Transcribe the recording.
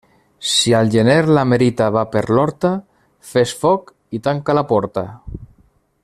Si al gener la merita va per l'horta, fes foc i tanca la porta.